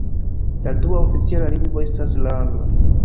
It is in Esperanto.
La dua oficiala lingvo estas la angla.